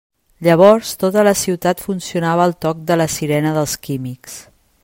Llavors tota la ciutat funcionava al toc de la sirena dels Químics.